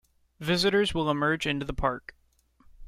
Visitors will emerge into the Park.